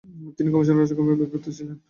তিনি গবেষণা ও রচনাকর্মে ব্যাপৃত ছিলেন।